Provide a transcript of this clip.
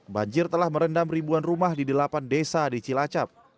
banjir telah merendam ribuan rumah di delapan desa di cilacap